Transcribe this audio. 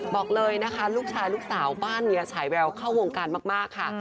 บอกเลยนะคะลูกชายลูกสาวบ้านเมียฉายแววเข้าวงการมากค่ะ